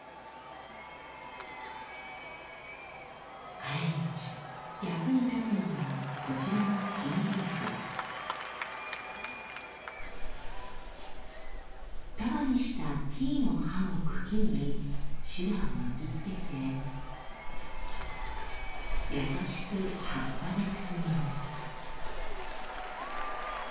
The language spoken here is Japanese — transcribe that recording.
帰り道役に立つのがこちらの束にしたティーの葉の茎にシダを巻きつけて優しく葉っぱで包みます。